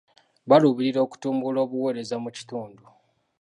Baaluubirira okutumbula obuweereza mu kitundu.